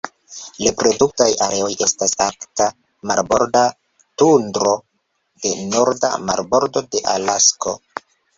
Reproduktaj areoj estas Arkta marborda tundro de norda marbordo de Alasko.